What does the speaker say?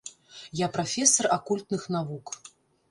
Я прафесар акультных навук.